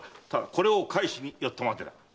これを返しに寄ったまでだ。